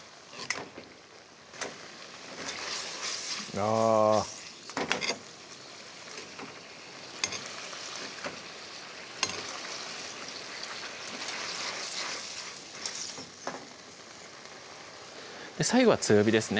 あぁ最後は強火ですね